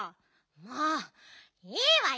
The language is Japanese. もういいわよ！